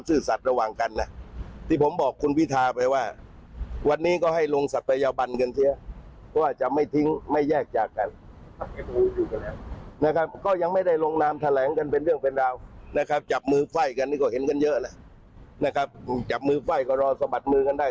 ไฟกันนี่ก็เห็นกันเยอะแหละนะครับจับมือไฟก็รอสะบัดมือกันได้